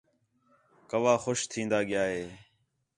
کَوّا خوش تِھین٘دا ڳِیا ہِے